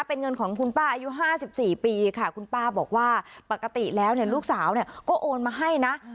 เป็นเงินของคุณป้าอายุ๕๔ปีค่ะคุณป้าบอกว่าปกติแล้วเนี่ยลูกสาวก็โอนมาให้นะ